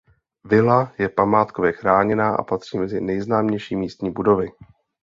Vila je památkově chráněna a patří mezi nejznámější místní budovy.